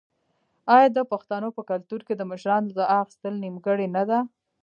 آیا د پښتنو په کلتور کې د مشرانو دعا اخیستل نیکمرغي نه ده؟